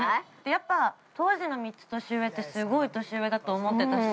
◆やっぱ、当時の３つ年上ってすごい年上だと思ってたし。